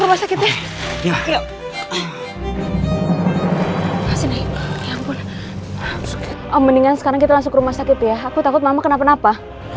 masukin mendingan sekarang kita masuk rumah sakit ya aku takut mama kenapa kenapa